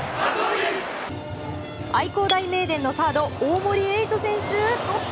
愛工大名電のサード大森瑛斗選手！